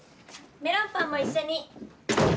メロンパンも一緒に。